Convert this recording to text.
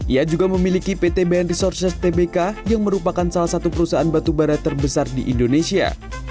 ia juga memiliki pt bn resources tbk yang merupakan salah satu perusahaan batubara terbesar di indonesia